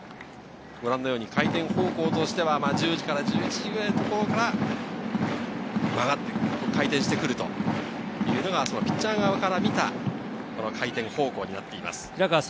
回転方向としては１０時から１１時ぐらいのところから回転してくるというのが、ピッチャー側から見た回転方向になっています。